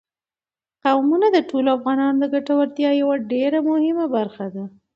قومونه د ټولو افغانانو د ګټورتیا یوه ډېره مهمه برخه ده.